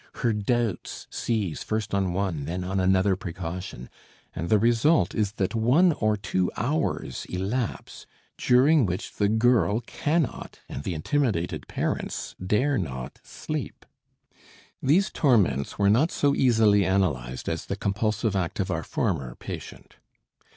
Her doubts seize first on one, then on another precaution, and the result is that one or two hours elapse during which the girl cannot and the intimidated parents dare not sleep. These torments were not so easily analyzed as the compulsive act of our former patient.